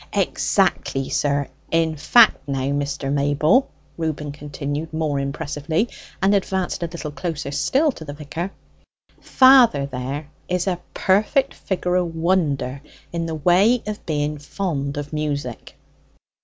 "Exactly, sir. In fact now, Mr. Mayble," Reuben continued, more impressively, and advancing a little closer still to the vicar, "father there is a perfect figure o' wonder, in the way of being fond of music!"